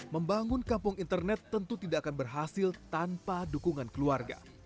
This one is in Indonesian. membangun kampung internet tentu tidak akan berhasil tanpa dukungan keluarga